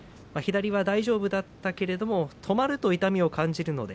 左は大丈夫だったけれども止まると痛みは感じます。